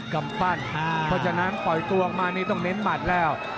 กำปั้นเพราะฉะนั้นปล่อยตัวออกมานี่ต้องเน้นหมัดแล้ว